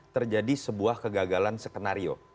terjadi sebuah kegagalan skenario